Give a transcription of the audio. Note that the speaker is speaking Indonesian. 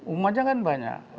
umatnya kan banyak